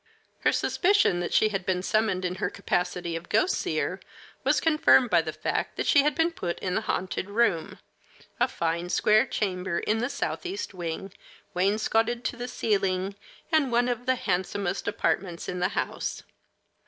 Her suspicion that she had been summoned in her capacity of ghost seer was confirmed by the fact that she had been put in the haunted room, a fine square chamber in the southeast wing, wainscoted to the ceiling, and one of the handsomest apartments in the house.